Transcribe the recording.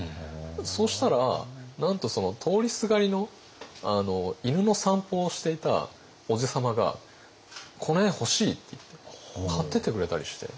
そしたらなんと通りすがりの犬の散歩をしていたおじさまが「この絵欲しい」って言って買ってってくれたりして。